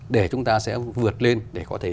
để chúng ta sẽ vượt lên để có thể